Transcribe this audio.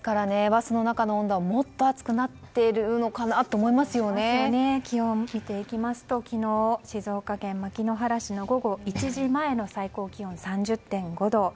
バスの中の温度はもっと暑くなっているのかなと気温、見ていきますと昨日、静岡県牧之原市の午後１時前の最高気温は３０．５度。